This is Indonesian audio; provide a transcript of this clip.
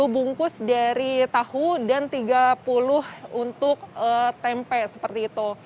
dua puluh bungkus dari tahu dan tiga puluh untuk tempe seperti itu